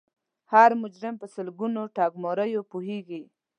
هر مجرم په سلګونو ټګماریو پوهیږي